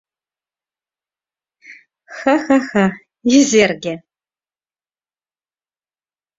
— Ха-ха-ха, Изерге